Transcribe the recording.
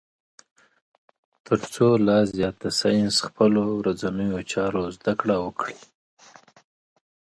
تر څو لا زیات د ساینس خپلو ورځنیو چارو زده کړه وکړي.